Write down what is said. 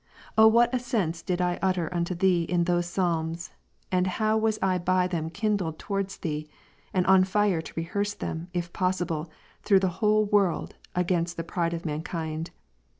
Oh, what accents did I utter unto Thee in those Psalms, and how was I by them kindled towardsThee, and onfire to rehearsethem, if possible, through the whole world, against the pride of mankind.